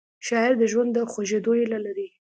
شاعر د ژوند د خوږېدو هیله لري